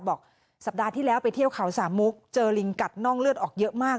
สัปดาห์ที่แล้วไปเที่ยวเขาสามมุกเจอลิงกัดน่องเลือดออกเยอะมาก